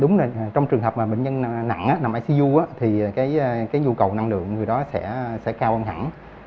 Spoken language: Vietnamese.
đúng là trong trường hợp mà bệnh nhân nặng nằm icu thì cái nhu cầu năng lượng người đó sẽ cao hơn hẳn